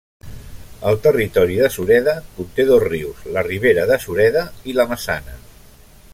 El territori de Sureda conté dos rius: la Ribera de Sureda i la Maçana.